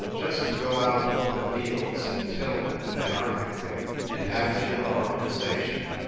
Just to go out into the fields and till them anarchically ! "And have they no organisation